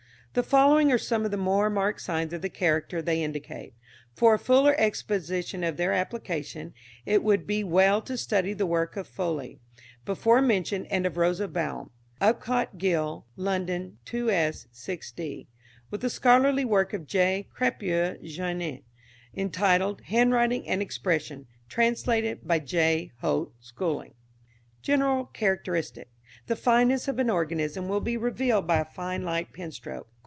The following are some of the more marked signs of the character they indicate. For a fuller exposition of their application it would be well to study the work of Foli, before mentioned, and of Rosa Baughan (Upcott Gill, London, 2_s._ 6_d._), with the scholarly work of J. Crépieux Jainin, entitled, "Handwriting and Expression," translated by J. Holt Schooling. General Characteristic. The fineness of an organism will be revealed by a fine light penstroke.